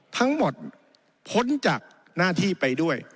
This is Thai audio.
ทั้งหมดพ้นจากหน้าที่ไปด้วย